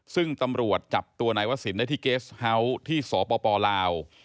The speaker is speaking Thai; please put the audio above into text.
ซึ่งตำรวจจับตัวนายวะสินได้ที่เกศเ฽้าที่สปบรลาว